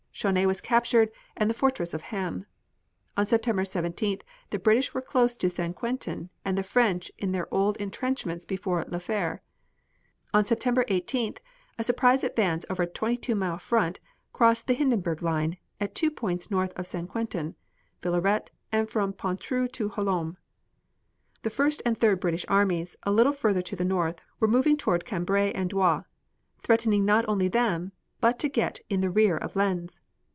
Chauny was captured and the fortress of Ham. On September 17th the British were close to St. Quentin and the French in their own old intrenchments before La Fere. On September 18th a surprise advance over a twenty two mile front crossed the Hindenburg line at two points north of St. Quentin, Villeret and from Pontru to Hollom. The first and third British armies, a little further to the north, were moving toward Cambrai and Douai, threatening not only them, but to get in the rear of Lens.